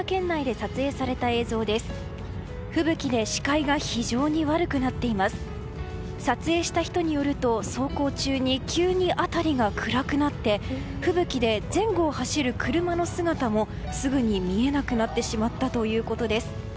撮影した人によると走行中に急に辺りが暗くなって吹雪で前後を走る車の姿もすぐに見えなくなってしまったということです。